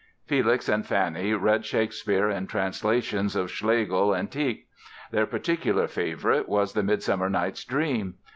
Felix and Fanny read Shakespeare in translations of Schlegel and Tieck. Their particular favorite was the "Midsummer Night's Dream".